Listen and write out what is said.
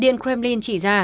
điện kremlin chỉ ra